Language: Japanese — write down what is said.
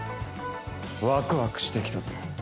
ワクワクしてきたぞ。